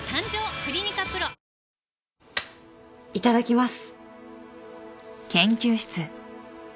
いただきます。